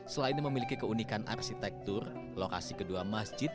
selain memiliki keunikan arsitektur lokasi kedua masjid